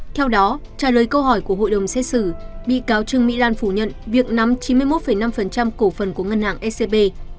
theo đó trả lời câu hỏi của hội đồng xét xử bị cáo trương mỹ lan phủ nhận việc nắm chín mươi một năm cổ phần của ngân hàng scb